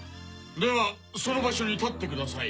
ではその場所に立ってください。